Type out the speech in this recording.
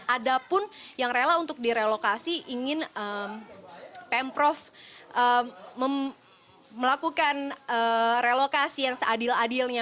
ada pun yang rela untuk direlokasi ingin pemprov melakukan relokasi yang seadil adilnya